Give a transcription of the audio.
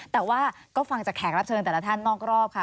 แต่ว่าก็ฟังจากแขกรับเชิญแต่ละท่านนอกรอบค่ะ